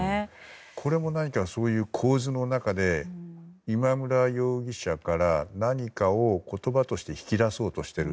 これも何かそういう構図の中で今村容疑者から何かを言葉として引き出そうとしている。